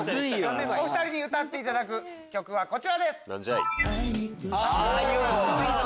お２人に歌っていただく曲はこちらです。